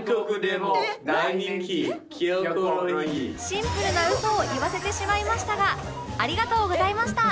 シンプルなウソを言わせてしまいましたがありがとうございました